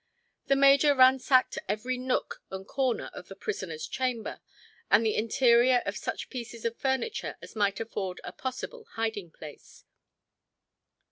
The major ransacked every nook and corner of the prisoner's chamber and the interior of such pieces of furniture as might afford a possible hiding place.